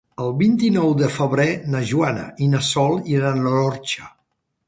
El vint-i-nou de febrer na Joana i na Sol iran a l'Orxa.